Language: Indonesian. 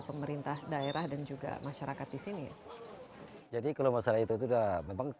pemerintah daerah dan juga masyarakat di sini jadi kalau masalah itu sudah memang